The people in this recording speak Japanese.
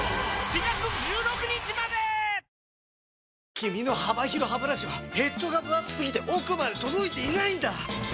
君の幅広ハブラシはヘッドがぶ厚すぎて奥まで届いていないんだ！